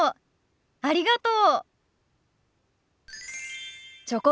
ありがとう。